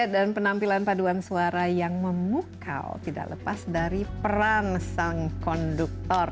dan penampilan padon suara yang memukau tidak lepas dari peran sang konduktor